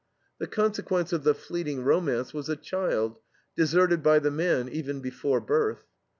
The consequence of the fleeting romance was a child, deserted by the man even before birth.